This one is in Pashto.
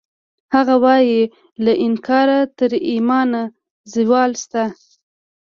هغه وایی له انکاره تر ایمانه زوال شته